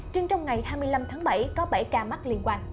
riêng trong ngày hai mươi năm tháng bảy có bảy ca mắc liên quan